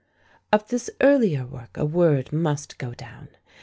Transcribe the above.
Of this earlier work a word must go down.